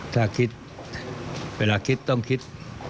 ถ้าคิดเวลาคิดต้องคิด